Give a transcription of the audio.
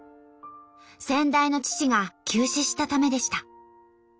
先代の父が急死したためでした。